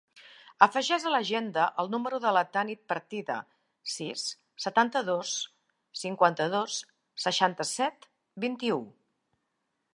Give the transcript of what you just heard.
Afegeix a l'agenda el número de la Tanit Partida: sis, setanta-dos, cinquanta-dos, seixanta-set, vint-i-u.